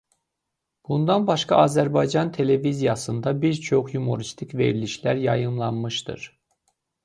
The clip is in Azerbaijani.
Bundan başqa Azərbaycan televiziyasında bir çox yumoristik verilişlər yayımlanmışdır.